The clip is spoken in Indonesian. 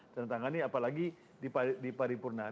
tentangkan ini apalagi di paripurna